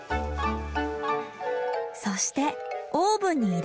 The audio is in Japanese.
そしてオーブンに入れる。